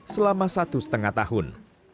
selama satu setengah tahun